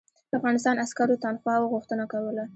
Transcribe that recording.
افغانستان عسکرو تنخواوو غوښتنه کوله.